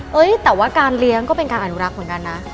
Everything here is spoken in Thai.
แต่ว่าการเลี้ยงก็เป็นการอนุรักษ์เหมือนกันนะ